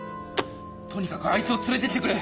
とにかくあいつを連れてきてくれ！